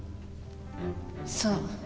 そう。